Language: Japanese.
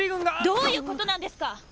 どういうことなんですか！